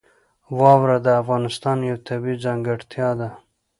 واوره د افغانستان یوه طبیعي ځانګړتیا ده.